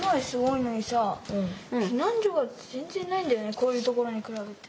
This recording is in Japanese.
こういうところに比べて。